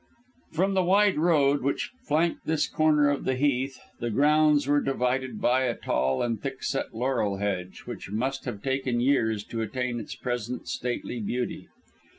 From the wide road, which flanked this corner of the Heath, the grounds were divided by a tall and thick set laurel hedge, which must have taken years to attain its present stately beauty.